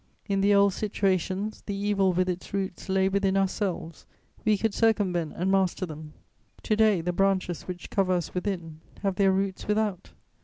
In the old situations, the evil with its roots lay within ourselves: we could circumvent and master them. To day the branches which cover us within have their roots without.